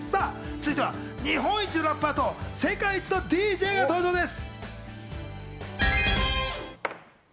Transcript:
続いては日本一のラッパーと世界一のＤＪが登場です。